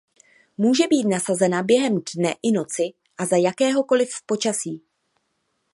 Může být nasazena během dne i noci a za jakéhokoliv počasí.